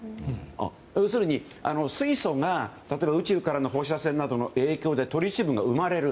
要するに水素が例えば宇宙からの放射線などの影響で、トリチウムが生まれる。